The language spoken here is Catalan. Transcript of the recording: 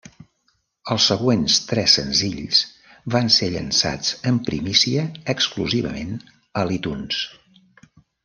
Els següents tres senzills van ser llançats en primícia exclusivament a l'iTunes.